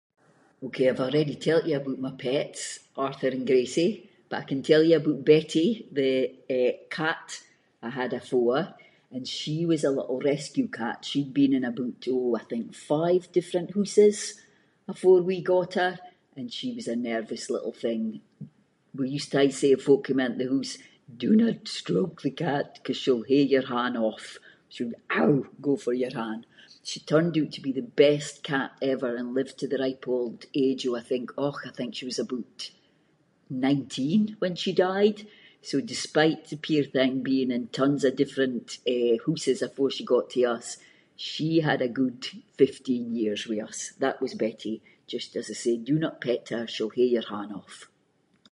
Ok, I’ve already telt you aboot my pets, Arthur and Gracie, but I can tell you aboot Betty, the, eh, cat I had afore, and she was a little rescue cat, she’d been in aboot, oh, I think five different hooses afore we got her, and she was a nervous little thing we used to aie say if folk came into the hoose “do not stroke the cat, ‘cause she’ll hae your hand off”, she would, ow, go for your hand. She turned out to be the best cat ever, and lived to the ripe old age of, och, I think she was aboot nineteen when she died, so despite the puir thing being in tons of different, eh, hooses afore she got to us, she had a good fifteen years with us, that was Betty, just as I say, do not pet her, she’ll hae your hand off.